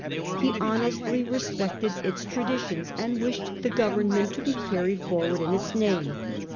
He honestly j respected its traditions, and wished the theconsti government to be carried forward in its name.